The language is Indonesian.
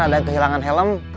ada yang kehilangan helm